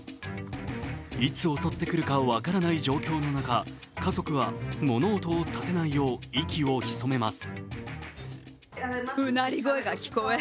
いつ襲ってくるか分からない状況の中、家族は物音を立てないよう息を潜めます。